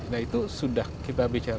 nah itu sudah kita bicara